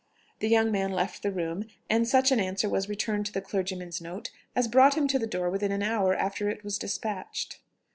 The young man left the room, and such an answer was returned to the clergyman's note as brought him to the door within an hour after it was despatched.